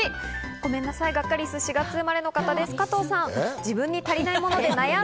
ごめんなさい、ガッカりす４月生まれの方です、加藤さん。